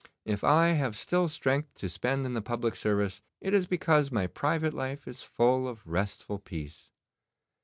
If I have still strength to spend in the public service, it is because my private life is full of restful peace.